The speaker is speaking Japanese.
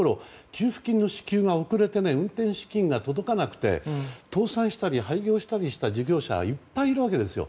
給付金の支給が遅れて運転資金が届かなくて倒産したり廃業したりした事業者はいっぱいいたわけですよ。